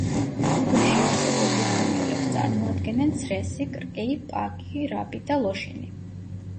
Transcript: უბეში არსებულ დიდ კუნძულებს წარმოადგენენ: ცრესი, კრკი, პაგი, რაბი და ლოშინი.